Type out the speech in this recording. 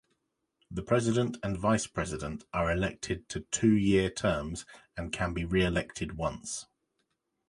The President and Vice-President are elected to two-year terms and can be re-elected once.